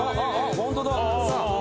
ホントだ。